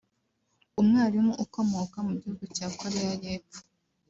umwarimu ukomoka mu gihugu cya Korea y’epfo